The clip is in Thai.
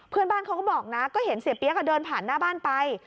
เพื่อนบ้านเขาก็บอกนะก็เห็นเสียเปี๊ยกเดินผ่านหน้าบ้านไป